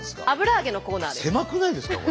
油揚げのコーナーです。